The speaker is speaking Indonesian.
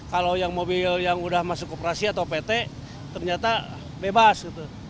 kalau yang mobil yang udah masuk operasi atau pt ternyata bebas gitu